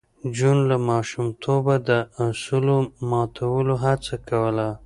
جون له ماشومتوبه د اصولو ماتولو هڅه کوله